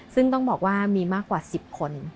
ซึ่งต้องบอกว่ามีมากกว่า๑๐คน